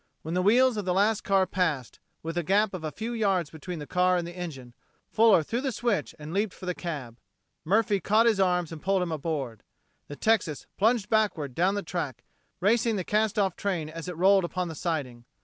When the wheels of the last car passed, with a gap of a few yards between the car and the engine, Fuller threw the switch and leaped for the cab. Murphy caught his arms and pulled him aboard. The Texas plunged backward down the track, racing the cast off train as it rolled upon the siding.